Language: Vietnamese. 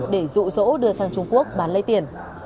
để dụ dỗ đưa sang trung quốc bán lấy tiền